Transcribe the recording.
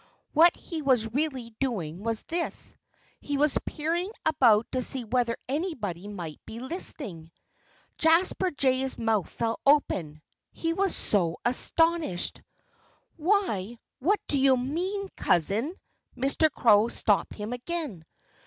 What he was really doing was this: He was peering about to see whether anybody might be listening. Jasper Jay's mouth fell open he was so astonished. "Why, what do you mean, Cousin " Mr. Crow stopped him again.